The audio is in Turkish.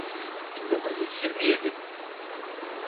bin dokuz yüz yirmi yedi.